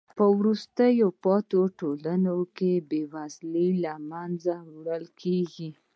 په وروسته پاتې ټولنو کې بې وزلۍ له منځه وړل کیږي.